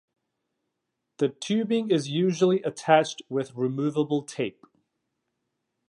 The tubing is usually attached with removable tape.